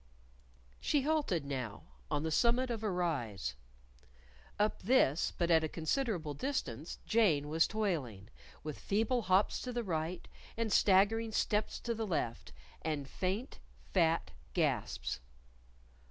She halted now on the summit of a rise. Up this, but at a considerable distance, Jane was toiling, with feeble hops to the right, and staggering steps to the left, and faint, fat gasps.